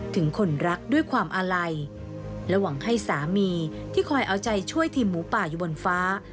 ถึงคนรักด้วยความอาลัยและหวังให้สามีที่คอยเอาใจช่วยทีมหมูป่าอยู่บนฟ้า